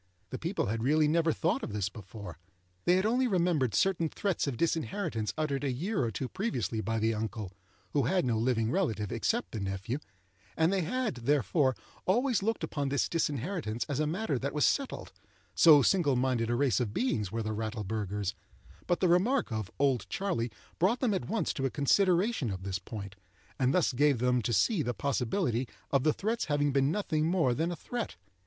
The people had really never thought of this before. They had only remembered certain threats of disinheritance uttered a year or two previously by the uncle (who had no living relative except the nephew), and they had, therefore, always looked upon this disinheritance as a matter that was settled—so single minded a race of beings were the Rattleburghers; but the remark of "Old Charley" brought them at once to a consideration of this point, and thus gave them to see the possibility of the threats having been nothing more than a threat.